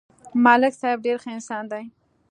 ملک صاحب ډېر ښه انسان دی